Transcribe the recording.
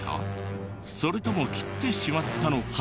それとも切ってしまったのか？